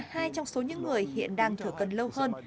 hai trong số những người hiện đang thừa cân lâu hơn